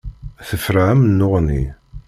Tefra amennuɣ-nni.